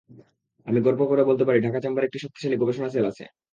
আমি গর্ব করে বলতে পারি, ঢাকা চেম্বারে একটি শক্তিশালী গবেষণা সেল আছে।